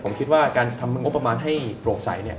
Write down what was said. ผมคิดว่าการทำงบประมาณให้โรคใส่เนี่ย